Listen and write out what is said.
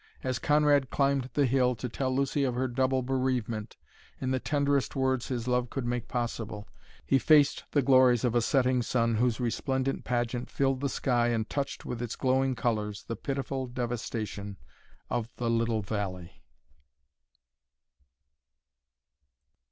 As Conrad climbed the hill to tell Lucy of her double bereavement, in the tenderest words his love could make possible, he faced the glories of a setting sun whose resplendent pageant filled the sky and touched with its glowing colors the pitiful devastation of the little valley.